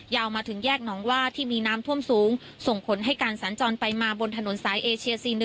มาถึงแยกหนองว่าที่มีน้ำท่วมสูงส่งผลให้การสัญจรไปมาบนถนนสายเอเชีย๔๑